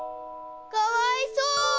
かわいそう！